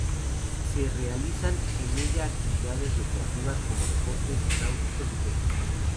Se realizan en ella actividades recreativas como deportes náuticos y pesca.